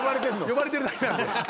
呼ばれてるだけなんで。